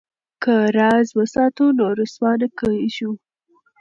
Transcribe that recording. که راز وساتو نو رسوا نه کیږو.